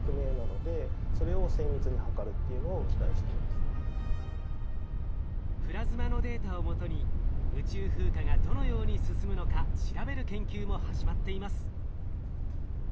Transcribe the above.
それがプラズマのデータを基に宇宙風化がどのように進むのか調べる研究も始まっています。